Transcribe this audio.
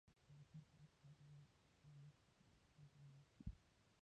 په سرپل کي اسحق زي د ډير نفوذ لري.